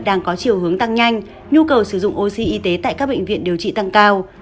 đang có chiều hướng tăng nhanh nhu cầu sử dụng oxy y tế tại các bệnh viện điều trị tăng cao